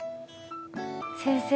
先生